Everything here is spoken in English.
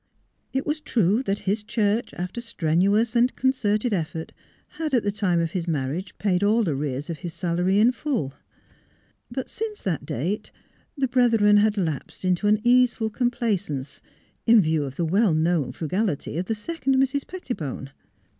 It was true that his church, after strenuous and con certed effort, had at the time of his marriage i^aid all arrears of his salary in full. But since that date the brethren had lapsed into an easeful com placence, in view of the well known frugality of the second Mrs. Pettibone.